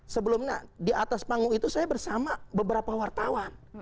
sebelumnya di atas panggung itu saya bersama beberapa wartawan